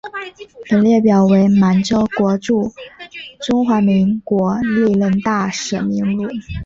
本列表为满洲国驻中华民国历任大使名录。